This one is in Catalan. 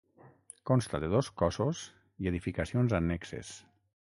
Consta de dos cossos i edificacions annexes.